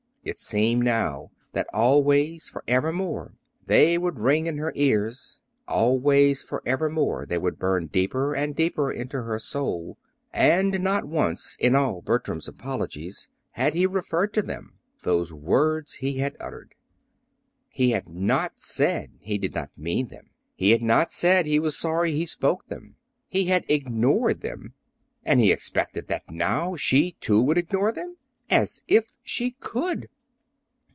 It seemed now that always, for evermore, they would ring in her ears; always, for evermore, they would burn deeper and deeper into her soul. And not once, in all Bertram's apologies, had he referred to them those words he had uttered. He had not said he did not mean them. He had not said he was sorry he spoke them. He had ignored them; and he expected that now she, too, would ignore them. As if she could!"